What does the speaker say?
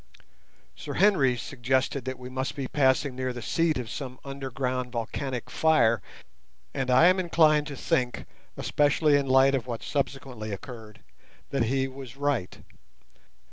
Sir Henry suggested that we must be passing near the seat of some underground volcanic fire, and I am inclined to think, especially in the light of what subsequently occurred, that he was right.